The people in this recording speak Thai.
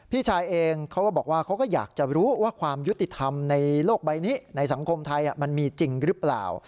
พี่ชายเองเขาก็บอกว่าเขาก็อยากจะรู้ว่าความยุติธรรมในโลกใบนี้ในสังคมไทยมันมีจริงหรือเปล่า